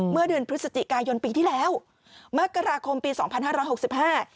เมื่อเดือนพฤศจิกายนปีที่แล้วมกราคมปีสองพันห้าร้อยหกสิบห้า